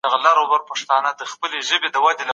روسیه څه ډول غنم او تېل افغانستان ته صادروي؟